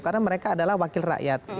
karena mereka adalah wakil rakyat